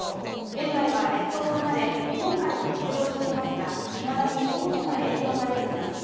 現在は列島を離れ、日本海を北上していますが、いまだに大きな影響が出ています。